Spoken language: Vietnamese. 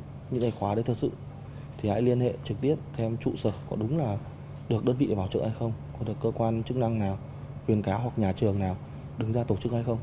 nếu như có một cái khóa đấy thật sự thì hãy liên hệ trực tiếp thêm trụ sở có đúng là được đơn vị để bảo trợ hay không có được cơ quan chức năng nào quyền cáo hoặc nhà trường nào đứng ra tổ chức hay không